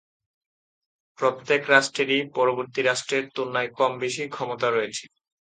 প্রত্যেক রাষ্ট্রেরই পরবর্তী রাষ্ট্রের তুলনায় কম-বেশি ক্ষমতা রয়েছে।